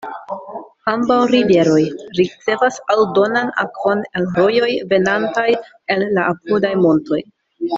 Ambaŭ riveroj ricevas aldonan akvon el rojoj venantaj el la apudaj montoj.